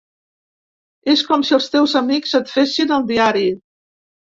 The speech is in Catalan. És com si els teus amics et fessin el diari.